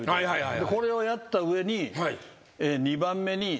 これをやった上に。